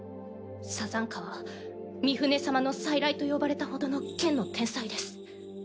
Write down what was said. サザンカはミフネ様の再来と呼ばれたほどの剣の天才です。